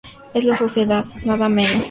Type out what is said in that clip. es la sociedad, nada menos